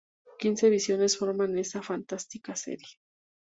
Quince visiones forman esta fantástica serie.